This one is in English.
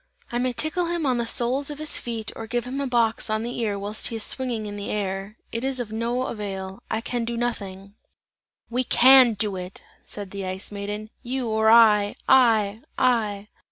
I may tickle him on the soles of his feet or give him a box on the ear whilst he is swinging in the air, it is of no avail. I can do nothing!" "We can do it!" said the Ice Maiden. "You or I! I! I!"